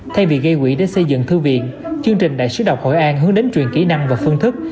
thay vì gây quỹ để xây dựng thư viện chương trình đại sứ đọc hội an hướng đến truyền kỹ năng và phương thức